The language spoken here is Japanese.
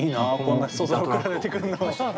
こんな素材送られてくるの。